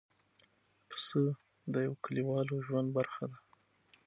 پسه د یوه کلیوالو ژوند برخه ده.